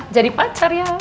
jadi pacar ya